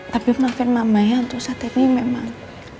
tapi maafin mama ya untuk saat ini memang